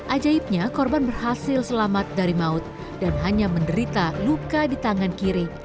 ajaibnya korban berhasil selamat dari maut dan hanya menderita luka di tangan kiri